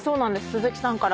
鈴木さんから。